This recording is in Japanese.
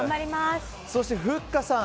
そして、ふっかさん